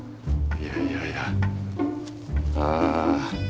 いやいやいやあ。